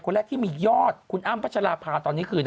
แรกที่มียอดคุณอ้ำพัชราภาตอนนี้คือ